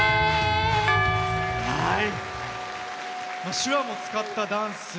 手話も使ったダンス。